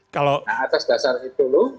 nah atas dasar itu loh